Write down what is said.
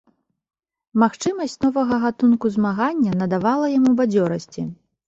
Магчымасць новага гатунку змагання надавала яму бадзёрасці.